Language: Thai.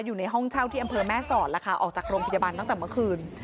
อยู่ในห้องเช่าที่อำเภอแม่สอดแล้วค่ะออกจากโรงพยาบาลตั้งแต่เมื่อคืน